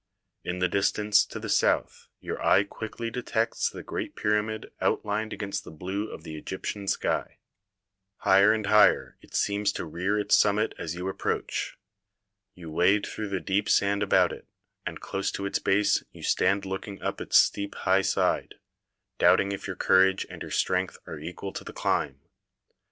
In the dis tance to the south your eye quickly detects the great pyramid outlined against the blue of the Egyptian sky. Higher and higher it seems to rear THE PYRAMID OF KHUFU 33 its summit as you approach. You wade through the deep sand about it, and close to its base you stand looking up its steep high side, doubting if your courage and your strength are equal to the climb.